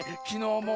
きのう